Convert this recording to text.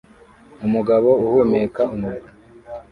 Umugabo uhumeka umuriro